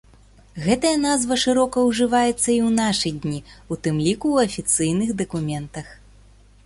Гэтая назва шырока ўжываецца і ў нашы дні, у тым ліку ў афіцыйных дакументах.